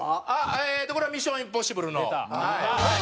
えっとこれは『ミッション：インポッシブル』のはい。